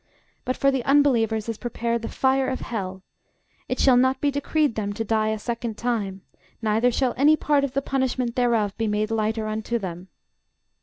But for the unbelievers is prepared the fire of hell: it shall not be decreed them to die a second time; neither shall any part of the punishment thereof be made lighter unto them.